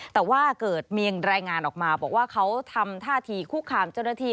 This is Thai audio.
แต่ว่าเกิดมีรายงานออกมาบอกว่าเขาทำท่าทีคุกคามเจ้าหน้าที่